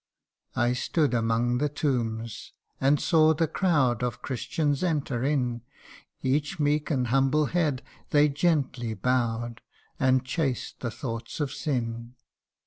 I stood among the tombs and saw the crowd Of Christians enter in ; Each meek and humble head they gently bow'd, And chased the thoughts of sin.